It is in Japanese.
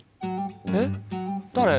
えっ誰？